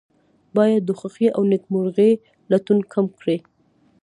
باید د خوښۍ او نیکمرغۍ لټون کم کړي.